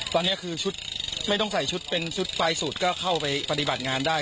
แบบนี้ไม่ต้องใส่ชุดพลายสูตรก็เข้าไปปฏิบัติงานได้